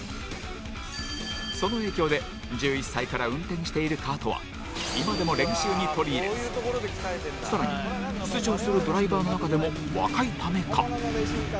その影響で１１歳から運転しているカートは今でも練習に取り入れ更に出場するドライバーの中でも若いためか。